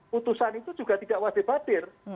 putusan itu juga tidak wasit wadir